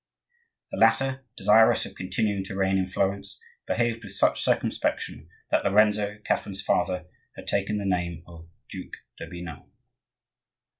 The latter, desirous of continuing to reign in Florence, behaved with such circumspection that Lorenzo, Catherine's father, had taken the name of Duke d'Urbino.